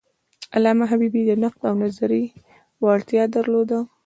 علامه حبیبي د نقد او نظریې وړتیا درلوده.